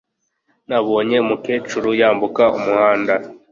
Nabonye umukecuru yambuka umuhanda